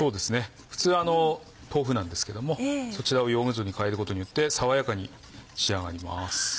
普通豆腐なんですけどもそちらをヨーグルトに代えることによって爽やかに仕上がります。